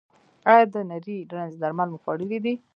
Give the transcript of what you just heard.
ایا د نري رنځ درمل مو خوړلي دي؟